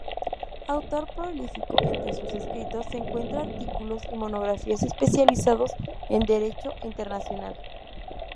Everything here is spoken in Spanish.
Autor prolífico, entre sus escritos se encuentran artículos y monografías especializados en derecho internacional.